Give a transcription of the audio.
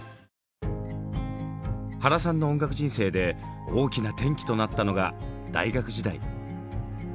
原さんの音楽人生で大きな転機となったのが大学時代。